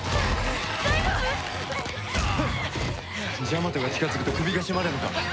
ジャマトが近づくと首が絞まるのか。